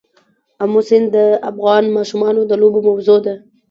آمو سیند د افغان ماشومانو د لوبو موضوع ده.